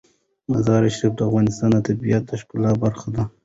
مزارشریف د افغانستان د طبیعت د ښکلا برخه ده.